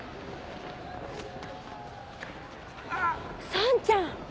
さんちゃん！